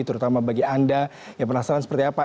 terutama bagi anda yang penasaran seperti apa